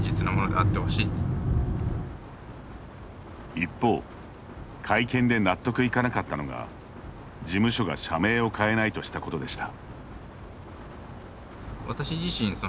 一方、会見で納得いかなかったのが事務所が社名を変えないとしたことでした。